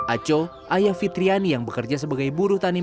aco ayah fitriani yang bekerja sebagai buru tani